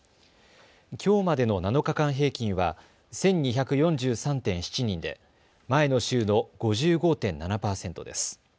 きょうまでの７日間平均は１２４３．７人で前の週の５５．７％です。